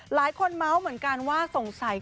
หลายคนเมาส์เหมือนกันว่าสงสัย